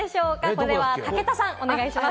これは武田さん、お願いします。